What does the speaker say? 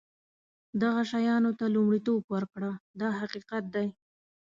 دغه شیانو ته لومړیتوب ورکړه دا حقیقت دی.